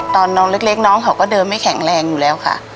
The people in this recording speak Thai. ตอนน้องเล็กน้องเขาก็เดินไม่แข็งแรงอยู่แล้วค่ะ